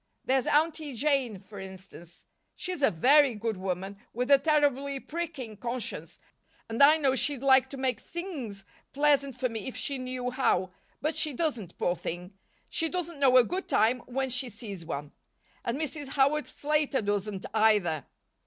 There's Aunty Jane, for instance. She's a very good woman, with a terribly pricking conscience, and I know she'd like to make things pleasant for me if she knew how, but she doesn't, poor thing. She doesn't know a good time when she sees one. And Mrs. Howard Slater doesn't, either."